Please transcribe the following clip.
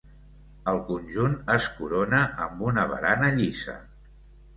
El conjunt es corona amb una barana llisa.